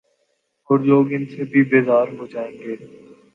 اورلوگ ان سے بھی بیزار ہوجائیں گے۔